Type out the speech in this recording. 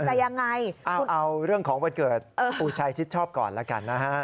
ใจยังไงเอาเอาเรื่องของวันเกิดปุชาชิดชอบก่อนละกันนะครับ